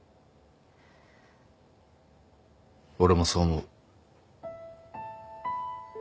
俺もそう思う。